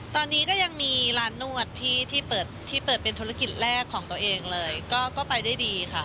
ตอนนี้ก็ยังมีร้านนวดที่เปิดที่เปิดเป็นธุรกิจแรกของตัวเองเลยก็ไปได้ดีค่ะ